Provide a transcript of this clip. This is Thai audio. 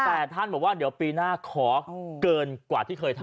แต่ท่านบอกว่าเดี๋ยวปีหน้าขอเกินกว่าที่เคยทำ